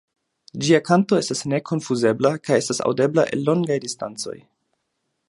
Ĝia kanto estas nekonfuzebla kaj estas aŭdebla el longaj distancoj.